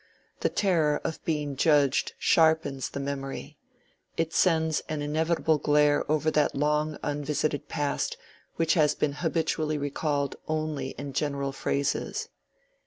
The terror of being judged sharpens the memory: it sends an inevitable glare over that long unvisited past which has been habitually recalled only in general phrases.